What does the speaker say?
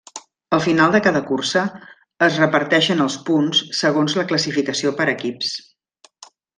Al final de cada cursa, es reparteixen els punts segons la classificació per equips.